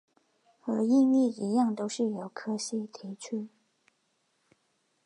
和应力一样都是由柯西提出。